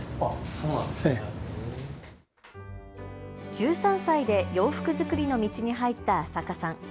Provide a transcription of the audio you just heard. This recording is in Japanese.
１３歳で洋服作りの道に入った安積さん。